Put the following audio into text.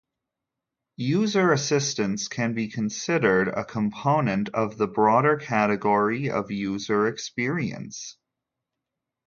User assistance can be considered a component of the broader category of user experience.